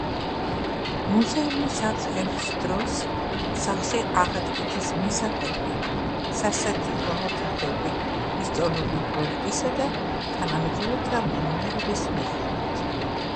მუზეუმის აღდგენის დროს, სახლში აღადგინეს მისაღები, სასადილო, ოთახები ისტორიული პროექტისა და თანამედროვეთა მემუარების მიხედვით.